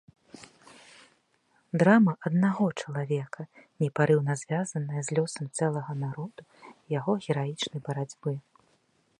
Драма аднаго чалавека, непарыўна звязаная з лёсам цэлага народу і яго гераічнай барацьбы.